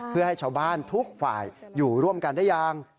เพื่อให้ชาวบ้านทุกฝ่ายอยู่ร่วมกันได้ยัง